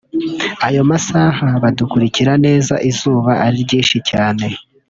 ayo masaha badakurikira neza izuba ari ryinshi cyane